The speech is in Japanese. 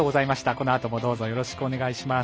このあともどうぞよろしくお願いします。